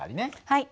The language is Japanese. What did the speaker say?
はい。